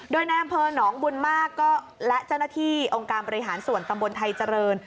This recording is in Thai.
โดยในอำเภอหนองบุญมากก็และเจ้าหน้าที่องค์การบริหารส่วนตำบลไทยเจริญ